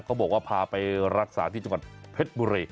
เขาบอกว่าพาไปรักษาที่จังหวัดเพชรบุรี